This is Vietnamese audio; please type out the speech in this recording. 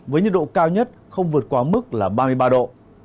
với nhiệt độ cao nhất không vượt quá mức là ba mươi ba độ